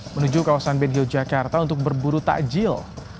menuju kawasan bedio jakarta untuk berburu takjil